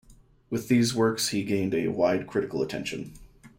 With these works he gained a wide critical attention.